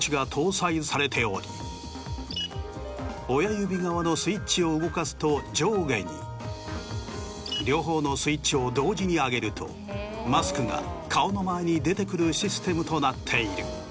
親指側のスイッチを動かすと上下に両方のスイッチを同時に上げるとマスクが顔の前に出てくるシステムとなっている。